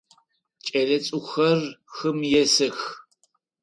Кӏэлэцӏыкӏухэр хым хэсых.